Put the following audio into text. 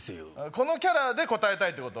このキャラで答えたいってこと？